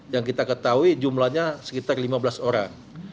yang kita ketahui jumlahnya sekitar lima belas orang